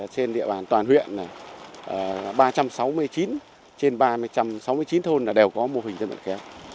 trên địa bàn toàn huyện ba trăm sáu mươi chín trên ba trăm sáu mươi chín thôn đều có mô hình dân vận kém